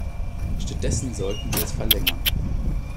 Statt dessen sollten wir es verlängern.